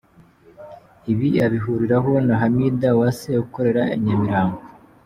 Ibi abihuriraho na Hamida Uwase ukorera i Nyamirambo.